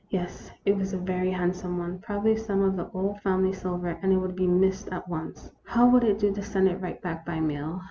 Yes, it was a very handsome one, probably some of the old family sil ver, and it would be missed at once. How would it do to send it right back by mail